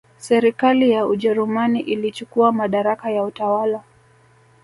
Serikali ya Ujerumani ilichukua madaraka ya utawala